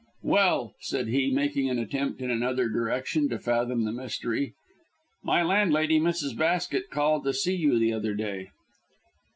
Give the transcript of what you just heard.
"Well!" said he, making an attempt in another direction to fathom the mystery. "My landlady, Mrs. Basket, called to see you the other day."